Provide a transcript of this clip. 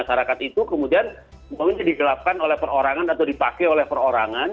masyarakat itu kemudian digelapkan oleh perorangan atau dipakai oleh perorangan